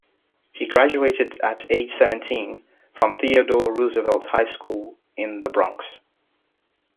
He graduated at age seventeen from Theodore Roosevelt High School in The Bronx.